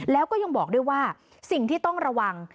แล้วก็ยังบอกด้วยว่าสิ่งที่ต้องระวัง